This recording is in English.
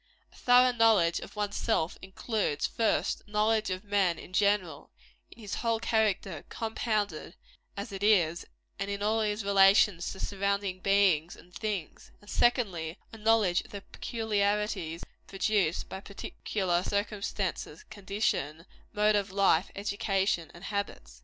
A thorough knowledge of one's self includes, first, a knowledge of man in general, in his whole character compounded as it is and in all his relations to surrounding beings and things; and, secondly, a knowledge of the peculiarities produced by particular circumstances, condition, mode of life, education and habits.